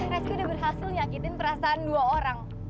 kak rezki udah berhasil nyakitin perasaan dua orang